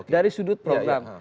dari sudut program